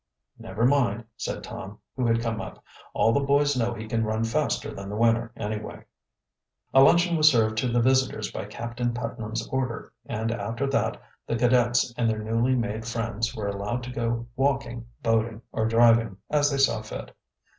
"Never mind," said Tom, who had come up. "All the boys know he can run faster than the winner anyway." A luncheon was served to the visitors by Captain Putnam's order and after that the cadets and their newly made friends were allowed to go walking, boating, or driving, as they saw fit.